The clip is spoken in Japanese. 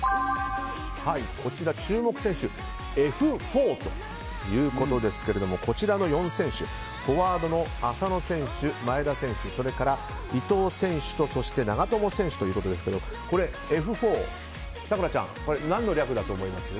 注目選手、Ｆ４ということですがこちらの４選手フォワードの浅野選手前田選手、それから伊東選手と長友選手ということですがＦ４、咲楽ちゃん何の略だと思いますか？